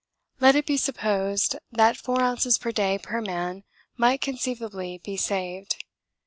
Let it be supposed that 4 oz. per day per man might conceivably be saved.